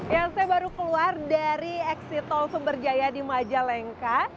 ya saya baru keluar dari exit tol sumber jaya di majalengka